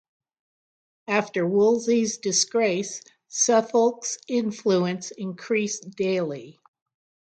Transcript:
After Wolsey's disgrace, Suffolk's influence increased daily.